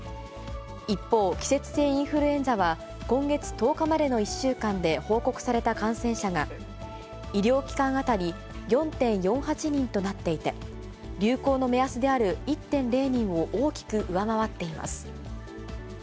一方、季節性インフルエンザは、今月１０日までの１週間で報告された感染者が、医療機関当たり４．４８人となっていて、流行の目安である１．０人を大きく上回っています。